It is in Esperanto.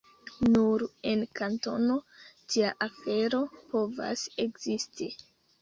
Nur en Kantono tia afero povas ekzisti.